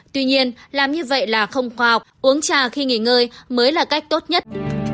tuy nhiên làm như vậy là không khoa học uống trà khi nghỉ ngơi mới là cách tốt nhất